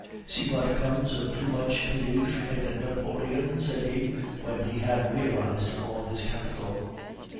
'See vat komms of too much pelief in Nappolion,' said he, when he had realized all his capital.